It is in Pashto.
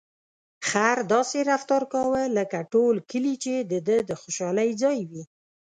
خر داسې رفتار کاوه لکه ټول کلي چې د ده د خوشحالۍ ځای وي.